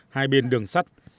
hai bên đường sắt